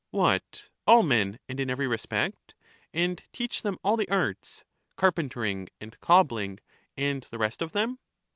What, all men, and in every respect? and teach them all the arts, — carpentering, and cobbling, and the rest of them?